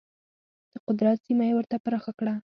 د قدرت سیمه یې ورته پراخه کړه.